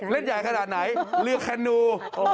เล่นใหญ่ขนาดไหนเรือแคนู